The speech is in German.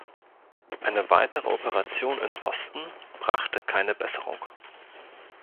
Eine weitere Operation in Boston brachte keine Besserung.